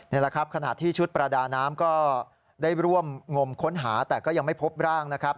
นี่แหละครับขณะที่ชุดประดาน้ำก็ได้ร่วมงมค้นหาแต่ก็ยังไม่พบร่างนะครับ